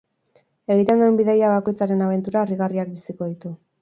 Egiten duen bidaia bakoitzean abentura harrigarriak biziko ditu.